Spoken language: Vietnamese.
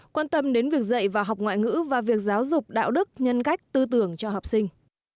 quan tâm đến việc dạy và học ngoại ngữ và việc giáo dục đạo đức nhân cách tư tưởng cho học sinh